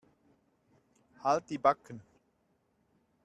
Halt die Backen.